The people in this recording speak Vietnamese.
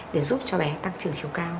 để giúp cho bé tăng trưởng chiều cao